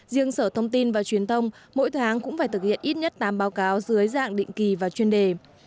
riêng sở thông tin và truyền thông mỗi tháng cũng phải thực hiện ít nhất tám báo cáo dưới dạng định kỳ và chuyên đề